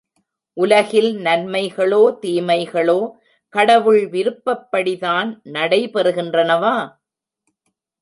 உலகில் நன்மைகளோ தீமைகளோ, கடவுள் விருப்பப்படிதான் நடைபெறுகின்றனவா?